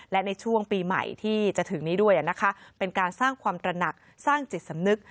และในช่วงปีใหม่ที่จะถึงนี้ด้วยนะคะเป็นการสร้างความตระหนักสร้างจิตสำนึก